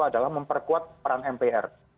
adalah memperkuat peran mpr